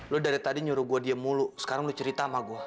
lo dari tadi nyuruh gua diem mulu sekarang lu cerita sama gue